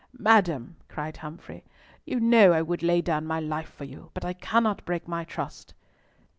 "Madam," cried Humfrey, "you know I would lay down my life for you, but I cannot break my trust."